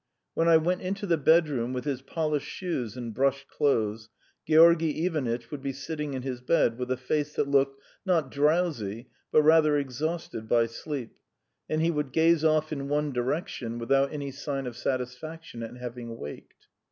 When I went into the bedroom with his polished shoes and brushed clothes, Georgy Ivanitch would be sitting in his bed with a face that looked, not drowsy, but rather exhausted by sleep, and he would gaze off in one direction without any sign of satisfaction at having waked.